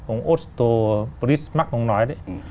ông otto bismarck ông nói đấy